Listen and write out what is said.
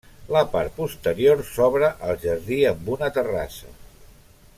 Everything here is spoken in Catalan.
La part posterior s'obre al jardí amb una terrassa.